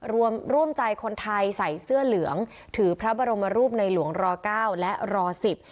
ร่วมร่วมใจคนไทยใส่เสื้อเหลืองถือพระบรมรูปในหลวงรอเก้าและรอสิบ